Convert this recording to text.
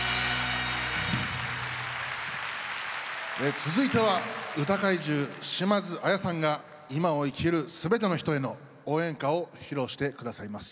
続いては歌怪獣島津亜矢さんが今を生きる全ての人への応援歌を披露して下さいます。